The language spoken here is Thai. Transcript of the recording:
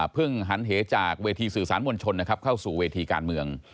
หันเหจากเวทีสื่อสารมวลชนนะครับเข้าสู่เวทีการเมือง